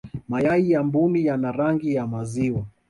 mayai ya mbuni yana rangi ya maziwa